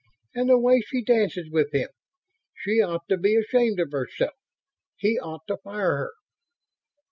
And the way she dances with him! She ought to be ashamed of herself. He ought to fire her."